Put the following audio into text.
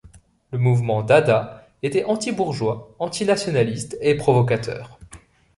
Le mouvement dada était antibourgeois, antinationaliste et provocateur.